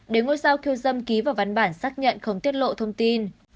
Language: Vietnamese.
để ngôi sao khiêu dâm ký vào văn bản xác nhận không tiết lộ thông tin